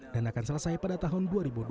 dan akan selesai pada tahun dua ribu dua puluh satu